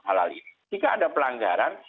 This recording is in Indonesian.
halal ini jika ada pelanggaran